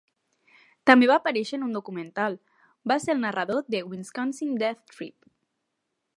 També va aparèixer en un documental, va ser el narrador de "Wisconsin Death Trip".